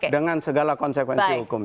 dengan segala konsekuensi hukumnya